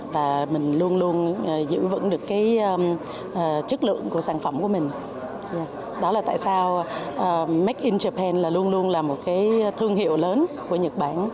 và mình luôn luôn giữ vững được cái chất lượng của sản phẩm của mình đó là tại sao make in repen là luôn luôn là một cái thương hiệu lớn của nhật bản